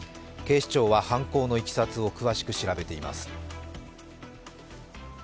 警視庁は犯行のいきさつを詳しく調べています。